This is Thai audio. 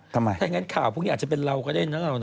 ทำไมถ้างั้นข่าวพวกนี้อาจจะเป็นเรากระเด็นทั้งเราน่ะ